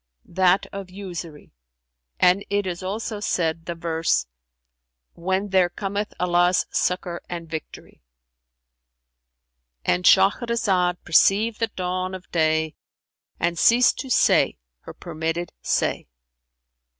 "That of 'Usury',[FN#375] and it is also said, the verse, 'When there cometh Allah's succour and victory.'"[FN#376]—And Shahrazad perceived the dawn of day and ceased to say her permitted say.